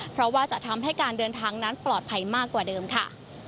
เพราะว่าจะทำให้การเดินทางนั้นปลอดภัยมากกว่าเดิมค่ะ